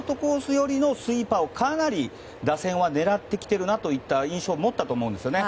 寄りのスイーパーを、かなり打線は狙ってきてるなという印象を持ったと思うんですね。